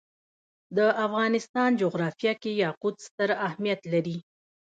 د افغانستان جغرافیه کې یاقوت ستر اهمیت لري.